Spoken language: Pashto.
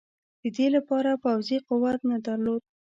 د دې لپاره پوځي قوت نه درلود.